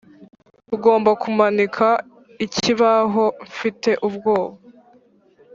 tugomba kumanika ikibaho, mfite ubwoba: